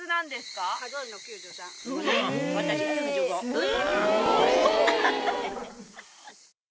えっ！